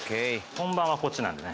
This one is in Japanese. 本番はこっちなんでね。